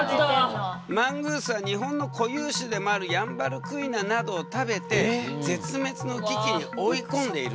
マングースは日本の固有種でもあるヤンバルクイナなどを食べて絶滅の危機に追い込んでいるんだ。